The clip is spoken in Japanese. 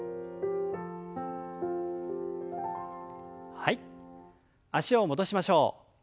はい脚を戻しましょう。